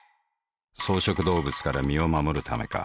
草食動物から身を護るためか。